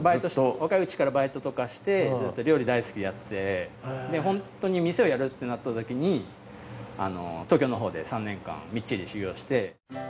若いうちからバイトとかしてずっと料理大好きでやっててホントに店をやるってなったときに東京のほうで３年間みっちり修業して。